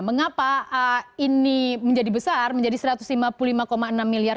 mengapa ini menjadi besar menjadi rp satu ratus lima puluh lima enam miliar